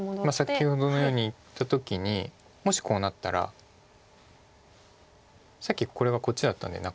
先ほどのようにいった時にもしこうなったらさっきこれがこっちだったんでなかったんですけど。